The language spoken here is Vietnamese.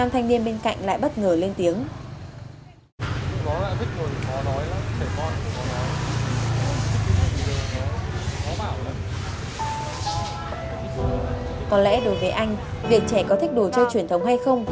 thôi anh cô còn đồ chơi truyền thống không